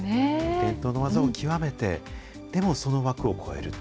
伝統の技を究めて、でもその枠を超える。